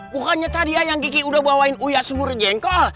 bukannya tadi ayang kiki udah bawain uya surjengkol